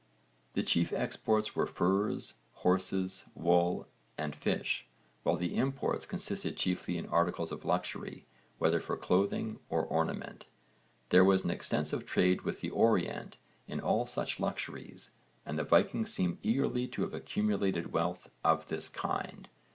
The chief exports were furs, horses, wool, and fish while the imports consisted chiefly in articles of luxury, whether for clothing or ornament. There was an extensive trade with the Orient in all such luxuries and the Vikings seem eagerly to have accumulated wealth of this kind.